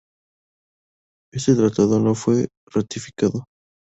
Este tratado no fue ratificado.